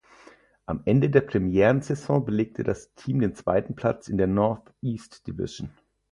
Am Ende der Premierensaison belegte das Team den zweiten Platz in der Northeast Division.